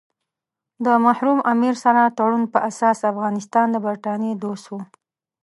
د مرحوم امیر سره تړون په اساس افغانستان د برټانیې دوست وو.